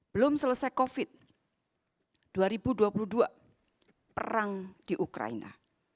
belum selesai covid dua ribu dua puluh dua perang di ukraina